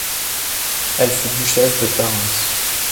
Elle fut duchesse de Clarence.